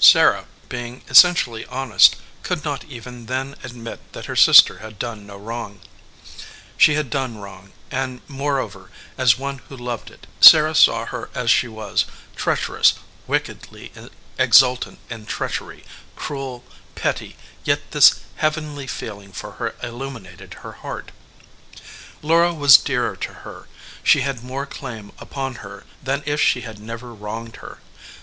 Sarah, being essentially honest, could not even then admit that her sister had done no wrong. She had done wrong and, moreover, as one who loved it. Sarah saw her as she was treacherous, wick edly exultant in treachery, cruel, petty yet this heavenly feeling for her illuminated her heart. 20 SARAH EDGEWATER Laura was dearer to her, she had more claim upon her than if she had never wronged her.